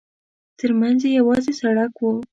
ترمنځ یې یوازې سړک و.